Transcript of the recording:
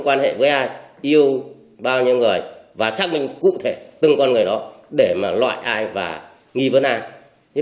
quan hệ với ai yêu bao nhiêu người và xác minh cụ thể từng con người đó để mà loại ai và nghi vấn ai